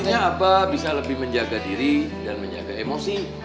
musiknya abah bisa lebih menjaga diri dan menjaga emosi